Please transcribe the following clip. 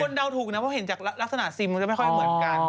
เดาถูกนะเพราะเห็นจากลักษณะซิมมันจะไม่ค่อยเหมือนกัน